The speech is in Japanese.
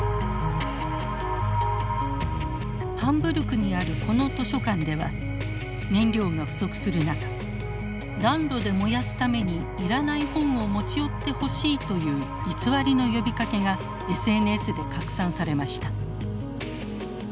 ハンブルクにあるこの図書館では燃料が不足する中暖炉で燃やすためにいらない本を持ち寄ってほしいという偽りの呼びかけがＳＮＳで拡散されました。